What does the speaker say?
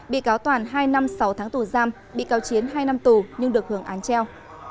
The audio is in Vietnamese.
bị cáo toàn hai năm sáu tháng tù giam bị cáo chiến hai năm tù nhưng được hưởng án treo